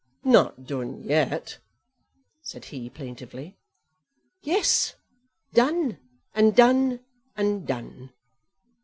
"Not done yet," said he plaintively. "Yes; done, and done, and done.